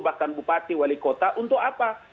bahkan bupati wali kota untuk mengatakan bahwa